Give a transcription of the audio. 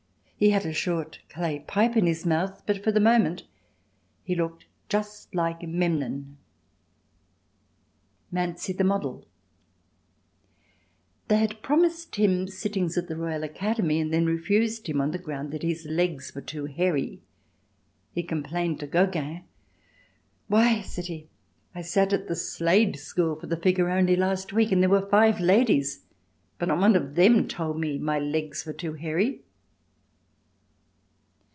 He had a short clay pipe in his mouth but, for the moment, he looked just like Memnon. Manzi the Model They had promised him sittings at the Royal Academy and then refused him on the ground that his legs were too hairy. He complained to Gogin: "Why," said he, "I sat at the Slade School for the figure only last week, and there were five ladies, but not one of them told me my legs were too hairy."